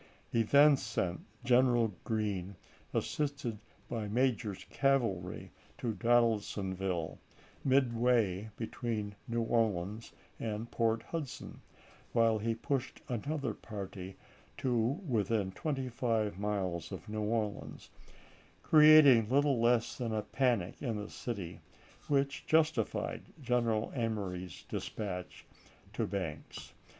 He then sent p. 210." General Green, assisted by Major's cavalry, to Don aldsonville, midway between New Orleans and Port Hudson, while he pushed another party to within twenty five miles of New Orleans, creating little less than a panic in the city, which justified General Emory's dispatch to Banks.